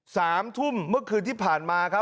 สามทุ่มเมื่อคืนที่ผ่านมาครับ